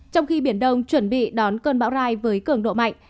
trong khi biển đông chuẩn bị đón cơn bão rai với cường độ mạnh